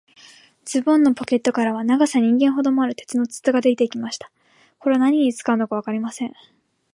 ズボンのポケットからは、長さ人間ほどもある、鉄の筒がありました。これは何に使うのかわかりません。